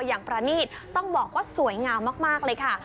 ประณีตต้องบอกว่าสวยงามมากเลยค่ะ